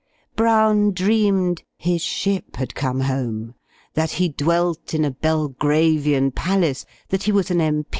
Brown dreamed "his ship had come home;" that he dwelt in a Belgravian palace; that he was an M.